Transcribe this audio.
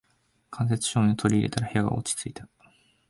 間接照明を取り入れたら部屋が落ち着いた